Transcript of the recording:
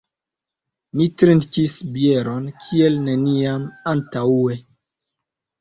Mi trinkis bieron kiel neniam antaŭe.